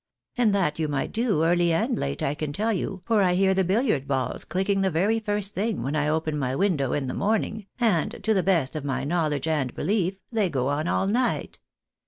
And that you might do, earjf and late, I can tell you, for I hear the billiard balls cUcking the very first thing when I open my window in the morning, and to the best of my knowledge and belief, they go on all night.